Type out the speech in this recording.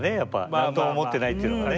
何とも思ってないっていうのがね。